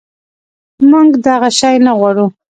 منږ دغه شی نه غواړو